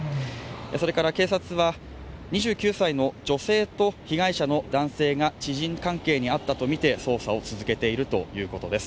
それから警察は、２９歳の女性と被害者の男性が知人関係にあったとみて捜査を続けているということです。